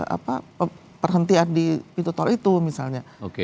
apa perhentian di pintu tol itu misalnya